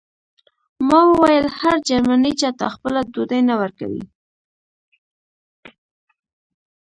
ما وویل هر جرمنی چاته خپله ډوډۍ نه ورکوي